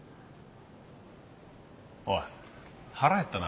おい腹減ったな。